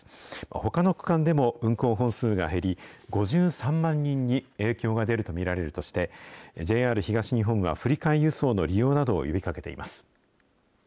ほかの区間でも運行本数が減り、５３万人に影響が出ると見られるとして、ＪＲ東日本は振り替え輸送の利用などを呼びかけています。